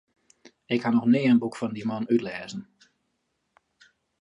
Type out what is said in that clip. Ik ha noch nea in boek fan de man útlêzen.